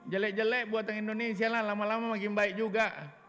jelek jelek buatan indonesia lah lama lama makin baik juga